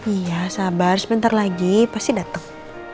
iya sabar sebentar lagi pasti datang